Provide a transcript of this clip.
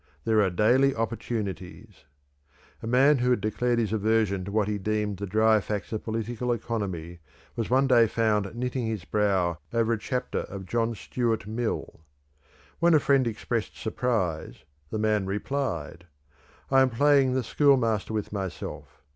There are daily opportunities. A man who had declared his aversion to what he deemed the dry facts of political economy was one day found knitting his brow over a chapter of John Stuart Mill. When a friend expressed surprise, the man replied: 'I am playing the schoolmaster with myself.